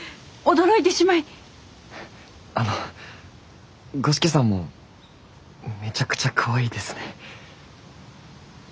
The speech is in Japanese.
あの五色さんもめちゃくちゃかわいいですね。